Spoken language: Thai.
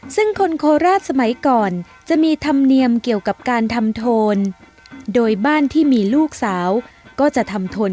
ซึ่งคนโคราชสมัยก่อนจะมีธรรมเนียมเกี่ยวกับการทำโทนโดยบ้านที่มีลูกสาวก็จะทำทน